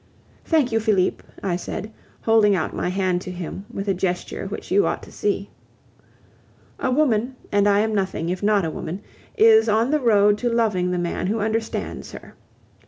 "Thank you, Felipe," I said, holding out my hand to him with a gesture which you ought to see. "A woman, and I am nothing, if not a woman, is on the road to loving the man who understands her.